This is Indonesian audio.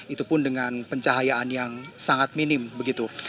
itu pun dengan pencahayaan yang sangat minim begitu